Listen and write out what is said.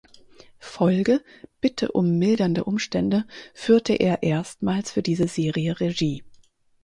Folge "Bitte um mildernde Umstände" führte er erstmals für diese Serie Regie.